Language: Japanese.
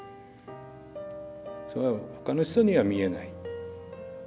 それは他の人には見えない。